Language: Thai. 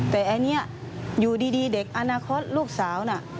แต่อันนี้อยู่ดีเด็กอนาคตลูกสาวน่ะ